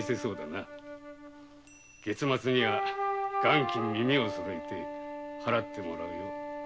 月末には元金耳を揃えて払ってもらうよ。